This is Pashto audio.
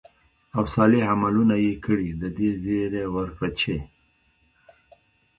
او صالح عملونه ئې كړي، د دې زېرى وركړه چې: